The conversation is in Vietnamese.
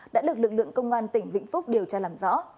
đã được lực lượng công an tỉnh vĩnh phúc điều tra làm rõ